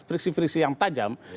friksi friksi yang tajam